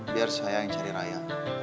biar saya yang cari raya